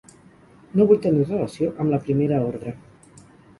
No vull tenir relació amb la Primera Ordre.